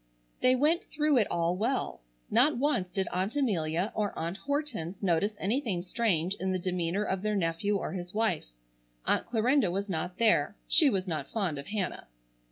They went through it all well. Not once did Aunt Amelia or Aunt Hortense notice anything strange in the demeanor of their nephew or his wife. Aunt Clarinda was not there. She was not fond of Hannah.